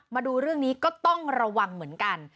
มาดูเรื่องนี้ก็ต้องระวังเหมือนกัน